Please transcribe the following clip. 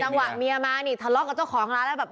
จังหวะเมียมานี่ทะเลาะกับเจ้าของร้านแล้วแบบ